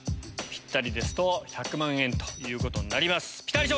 ピッタリですと１００万円ということになります。